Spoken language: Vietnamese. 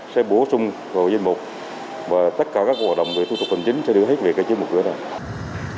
sẽ bổ sung hội dân mục và tất cả các hội đồng về thủ tục hành chính sẽ đưa hết việc về cái chế mục cửa này